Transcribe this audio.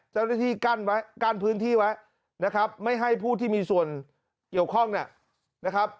เจ้าหน้าที่กั้นไว้กั้นพื้นที่ไว้นะครับไม่ให้ผู้ที่มีส่วนเกี่ยวข้องนะครับ